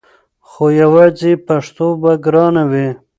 خو یواځې پښتو به ګرانه وي!